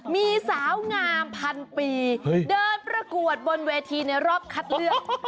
มีสาวงามพันปีเดินประกวดบนเวทีในรอบคัดเลือก